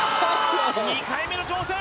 ２回目の挑戦